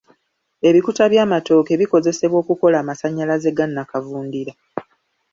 Ebikuta by'amatooke bikozesebwa okukola amasannyalaze ga nnakavundira.